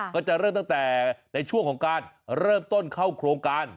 ก็จะเริ่มตั้งแต่ในช่วงของการเริ่มต้นเข้าโครงการ